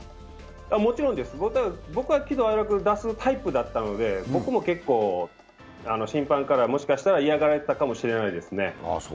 もちろんです、僕は喜怒哀楽出すタイプだったので、僕も結構審判から、もしかしたら嫌がられていたかもしれないですね。